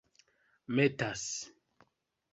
metas